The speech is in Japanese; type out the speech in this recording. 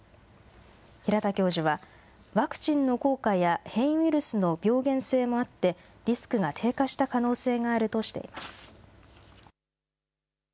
平田教授は、ワクチンの効果や変異ウイルスの病原性もあって、リスクが低下した可能性があるとしています。